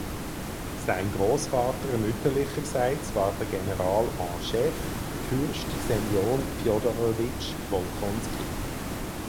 Sein Großvater mütterlicherseits war der General en chef Fürst Semjon Fjodorowitsch Wolkonski.